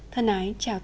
thân ái chào tạm biệt